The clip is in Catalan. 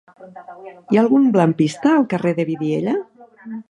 Hi ha algun lampista al carrer de Vidiella?